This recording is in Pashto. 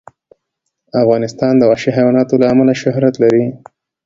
افغانستان د وحشي حیوانات له امله شهرت لري.